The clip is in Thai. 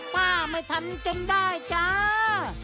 ป้าไม่ทันจนได้จ้า